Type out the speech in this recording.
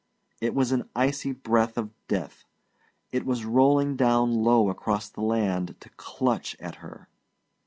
It was an icy breath of death; it was rolling down low across the land to clutch at her.